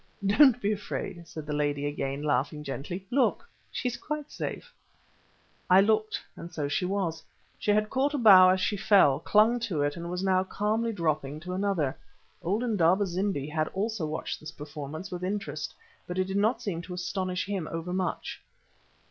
"Don't be afraid," said the lady again, laughing gently. "Look, she is quite safe." I looked, and so she was. She had caught a bough as she fell, clung to it, and was now calmly dropping to another. Old Indaba zimbi had also watched this performance with interest, but it did not seem to astonish him over much.